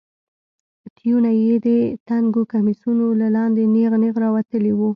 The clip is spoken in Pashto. تيونه يې د تنګو کميسونو له لاندې نېغ نېغ راوتلي وو.